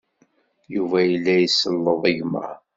Yuba yella iselleḍ igmaḍ.